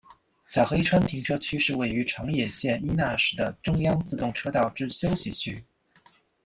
小黑川停车区是位于长野县伊那市的中央自动车道之休息区。